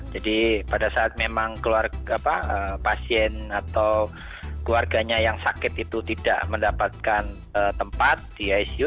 jadi pada saat memang pasien atau keluarganya yang sakit itu tidak mendapatkan tempat di icu